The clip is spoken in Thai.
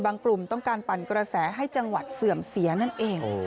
กลุ่มต้องการปั่นกระแสให้จังหวัดเสื่อมเสียนั่นเอง